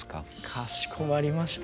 かしこまりました。